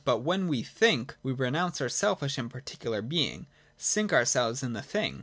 But when we think, we renounce our selfish and particular being, sink ourselves in the thing,; VOL.